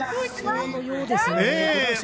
そのようですね。